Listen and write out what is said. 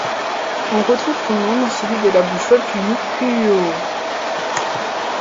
On retrouve son nom dans celui de la bouche volcanique Puʻu ʻŌʻō.